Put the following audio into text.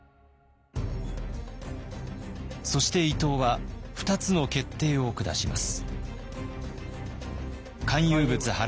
そして伊藤は２つの決定を下します。